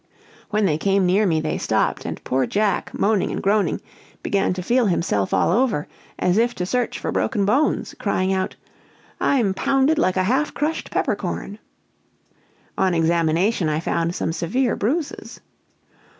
When they came near me they stopped; and poor Jack moaning and groaning, began to feel himself all over, as if to search for broken bones, crying out: "I'm pounded like a half crushed pepper corn!" On examination I found some severe bruises.